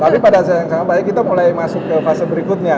tapi pada saat yang sama baik kita mulai masuk ke fase berikutnya